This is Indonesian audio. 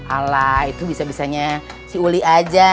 ala itu bisa bisanya si uli aja